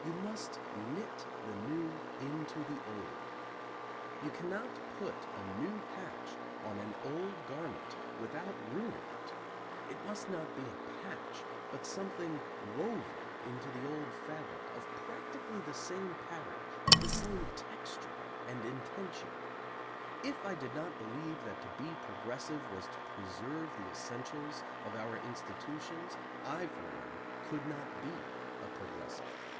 You must knit the new into the old. You cannot put a new patch on an old garment without ruining it; it must be not a patch, but something woven into the old fabric, of practically the same pattern, of the same texture and intention. If I did not believe that to be progressive was to preserve the essentials of our institutions, I for one could not be a progressive.